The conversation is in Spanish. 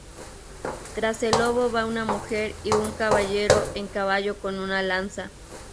Tras el lobo va una mujer y un caballero en caballo con una lanza.